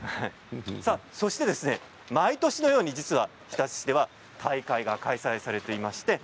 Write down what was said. そして毎年のように日立市では大会が開催されています。